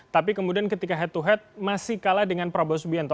tapi kemudian ketika head to head masih kalah dengan prabowo subianto